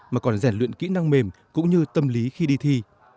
mà còn rèn luyện kỹ năng mềm cũng như tâm lý khi đi thi